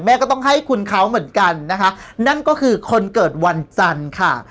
ก็ต้องให้คุณเขาเหมือนกันนะคะนั่นก็คือคนเกิดวันจันทร์ค่ะ